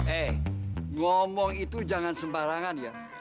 eh ngomong itu jangan sembarangan ya